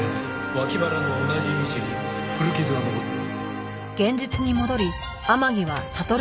脇腹の同じ位置に古傷が残っていた。